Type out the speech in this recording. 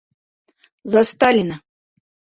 За Сталина!